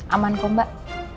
aman kok mbak